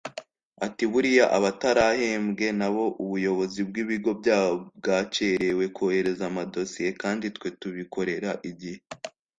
Ati “Buriya abatarahembwe n’abo ubuyobozi bw’ibigo byabo bwakerewe kohereza amadosiye kandi twe tubikorera igihe